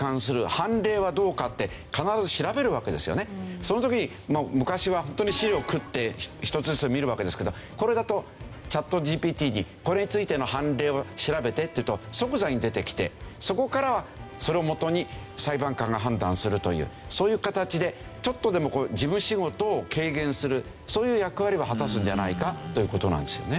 でやっぱりその時に昔はホントに資料を繰って一つずつ見るわけですけどこれだとチャットＧＰＴにこれについての判例を調べてって言うと即座に出てきてそこからはそれを基に裁判官が判断するというそういう形でちょっとでもそういう役割を果たすんじゃないかという事なんですよね。